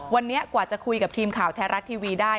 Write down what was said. วันนี้กว่าจะคุยกับทีมข่าวไทยรัฐทีวีได้